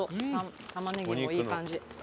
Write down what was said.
タマネギもいい感じ。